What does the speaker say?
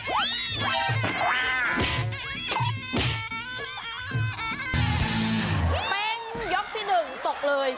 เป็นยกที่๑ตกเลย